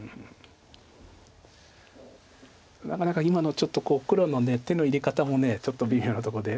なかなか今の黒の手の入れ方もちょっと微妙なとこで。